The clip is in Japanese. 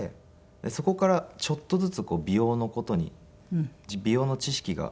そこからちょっとずつ美容の事に美容の知識が。